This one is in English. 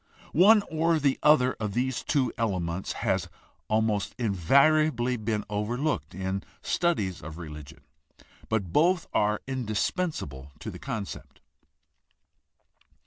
One or the other of these two ele ments has almost invariably been overlooked in studies of religion, but both are indispensable to the concept.